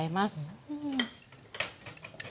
うん。